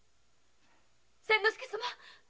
千之助様。